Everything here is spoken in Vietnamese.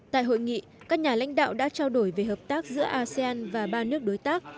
tại hội nghị các nhà lãnh đạo đã trao đổi về hợp tác giữa asean và ba nước đối tác